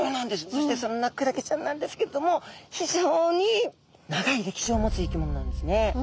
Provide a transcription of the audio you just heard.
そしてそんなクラゲちゃんなんですけれども非常に長い歴史を持つ生き物なんですね。